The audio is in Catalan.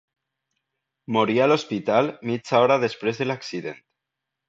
Morí a l'hospital, mitja hora després de l'accident.